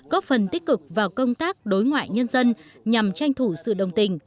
góp phần tích cực vào công tác đối ngoại nhân dân nhằm tranh thủ sự đồng tình